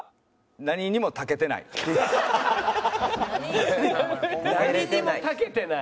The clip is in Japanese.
「何にも長けてない」。